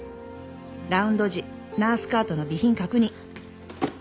「ラウンド時ナースカートの備品確認！！」